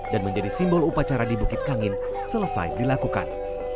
dan menjadi simbol upacara di bukit kangin selesai dilakukan